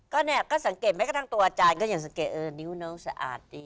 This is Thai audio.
ก็เนี่ยก็สังเกตแม้กระทั่งตัวอาจารย์ก็ยังสังเกตเออนิ้วน้องสะอาดดี